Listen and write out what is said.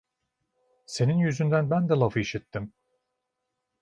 Senin yüzünden ben de laf işittim!